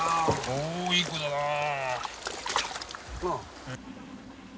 おおいい子だなあ。